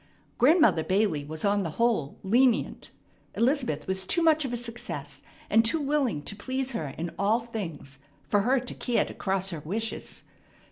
Grandmother Bailey was on the whole lenient. Elizabeth was too much of a success, and too willing to please her in all things, for her to care to cross her wishes.